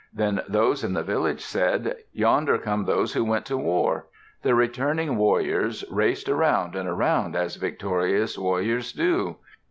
Then those in the village said, "Yonder come those who went to war!" The returning warriors raced around and around as victorious warriors do.